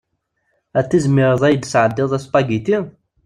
Ad tizmireḍ ad iyi-d-tesɛeddiḍ spaghetti?